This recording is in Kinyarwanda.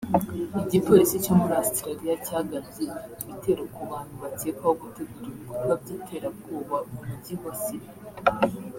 Igipolisi cyo muri Australia cyagabye ibitero ku bantu bakekwaho gutegura ibikowa by’iterabwoba mu mujyi wa Sydney